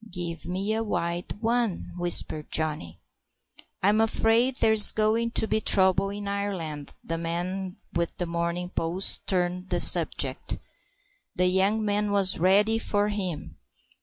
"Give me a wild one" whispered Johnny. "I'm afraid there's going to be trouble in Ireland," the man with The Morning Post turned the subject. The young man was ready for him.